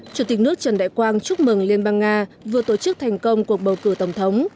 chủ tịch nước trần đại quang chúc mừng liên bang nga vừa tổ chức thành công cuộc bầu cử tổng thống